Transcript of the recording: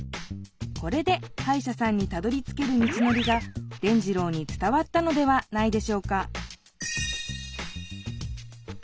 これではいしゃさんにたどりつける道のりが伝じろうに伝わったのではないでしょうか？